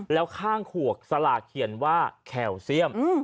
แล้วข้างขวดสลากเขียนว่าแคลเซียม